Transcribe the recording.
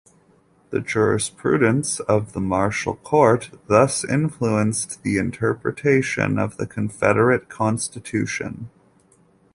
The jurisprudence of the Marshall Court, thus, influenced the interpretation of the Confederate Constitution.